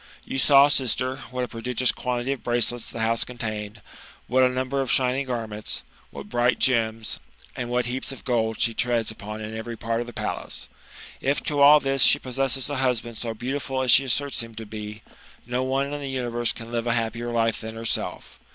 You saw, sister, what a prodigious quantity of bracelets the house contained, what a number of shining garments, what bright gems, and what heaps of gold she treads upon in every part of the palace. If to all this she possesses a husband so beautiful as she asserts him to be, no one in the universe can live a happier life than herself.